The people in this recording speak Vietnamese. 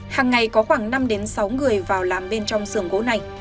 hàng ngày có khoảng năm sáu người vào làm bên trong sườn gỗ này